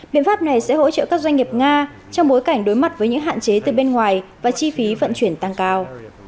biện pháp này sẽ hỗ trợ các doanh nghiệp nga trong bối cảnh đối mặt với những hạn chế từ bên ngoài và chi phí vận chuyển tăng cao